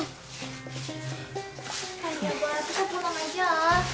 iya bal kita pelan pelan aja